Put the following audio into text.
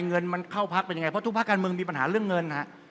เงินมันเข้าพักเป็นยังไงเพราะทุกภาคการเมืองมีปัญหาเรื่องเงินฮะ